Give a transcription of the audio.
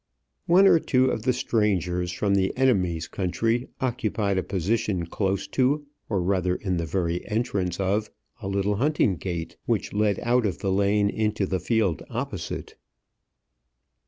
One or two of the strangers from the enemy's country occupied a position close to, or rather in the very entrance of, a little hunting gate which led out of the lane into the field opposite.